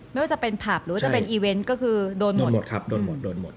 ไม่ว่าจะเป็นผับหรือว่าจะเป็นอีเวนต์ก็คือโดนหมดหมดครับโดนหมดโดนหมด